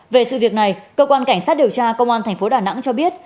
về sự việc này cơ quan cảnh sát điều tra công an tp đà nẵng cho biết